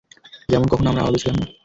যেমন কখনও আমরা আলাদা ছিলাম না।